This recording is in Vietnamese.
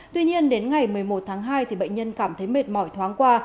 tuy nhiên đến ngày một mươi một tháng hai bệnh nhân cảm thấy mệt mỏi thoáng qua